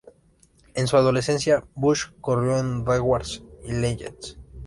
En su adolescencia, Busch corrió en Dwarfs y Legends.